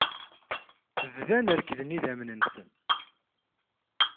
Bdan rekkden yidamen-nsen.